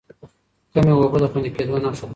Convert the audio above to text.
کمې اوبه د خوندي کېدو نښه ده.